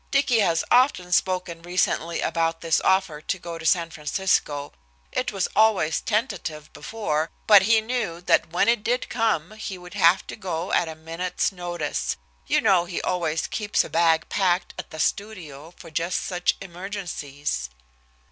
"Dicky has often spoken recently about this offer to go to San Francisco. It was always tentative before, but he knew that when it did come he would have to go at a minute's notice. You know he always keeps a bag packed at the studio for just such emergencies."